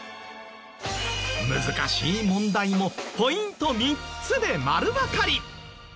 難しい問題もポイント３つで丸わかり！